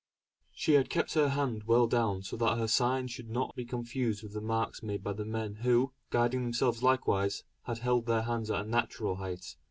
She had kept her hand well down so that her signs should not be confused with the marks made by the men who, guiding themselves likewise, had held their hands at a natural height.